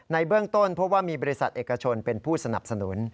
ในเบื้องต้นพบว่ามีบริษัทเอกชนเป็นผู้สนับสนุน